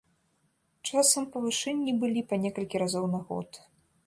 Часам павышэнні былі па некалькі разоў на год.